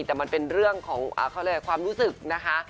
แต่มันเป็นเรื่องของความรู้สึกนะคะ